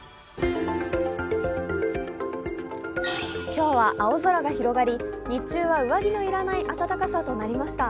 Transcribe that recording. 今日は青空が広がり日中は上着の要らない暖かさとなりました。